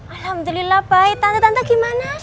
alhamdulillah baik tante tante gimana